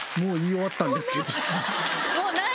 もうない。